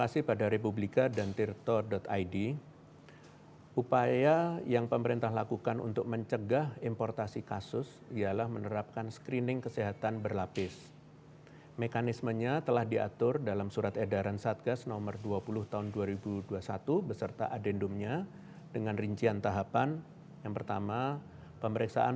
sebelum boleh melanjutkan